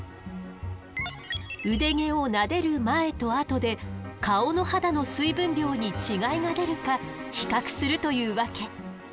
腕毛をなでる前とあとで顔の肌の水分量に違いが出るか比較するというわけ。